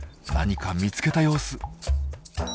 何か見つけた様子。